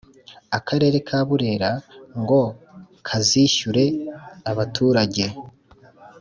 akarere ka Burere ngo kazishyure abaturage